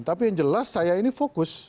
tapi yang jelas saya ini fokus